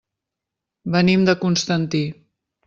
Venim de Constantí.